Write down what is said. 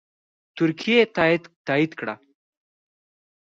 ترکیې تایید کړه